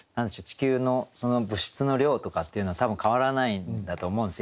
地球の物質の量とかっていうのは多分変わらないんだと思うんです。